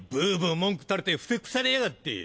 文句たれてふてくされやがって。